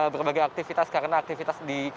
berbagai aktivitas karena aktivitas di